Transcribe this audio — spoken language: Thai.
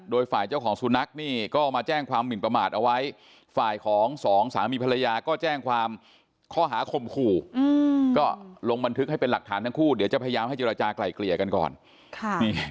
โดยฝ่ายเจ้าของสุนัขนี่ก็มาแจ้งความหมินประมาทเอาไว้ฝ่ายของสองสามีภรรยาก็แจ้งความข้อหาคมขู่ก็ลงบันทึกให้เป็นหลักฐานทั้งคู่เดี๋ยวจะพยายามให้เจรจากลายเกลี่ยกันก่อน